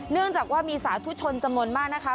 เนื่องจากว่ามีสาธุชนจำนวนมากนะคะ